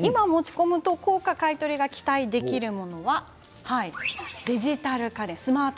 今持ち込むと高価買い取りが期待できるものはデジタル家電ですね。